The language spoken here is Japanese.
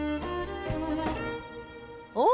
お！